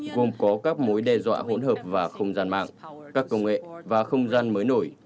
gồm có các mối đe dọa hỗn hợp và không gian mạng các công nghệ và không gian mới nổi